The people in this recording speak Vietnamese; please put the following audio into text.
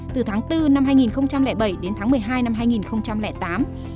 từ tháng bốn năm hai nghìn bảy đến tháng một mươi hai năm hai nghìn tám